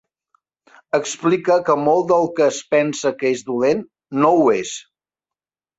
Explica que molt del que es pensa que és dolent, no ho és.